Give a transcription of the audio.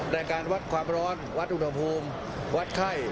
ในการวัดความร้อนวัดอุณหภูมิวัดไข้